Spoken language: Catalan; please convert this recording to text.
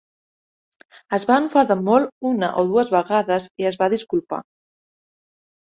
Es va enfadar molt una o dues vegades i es va disculpar.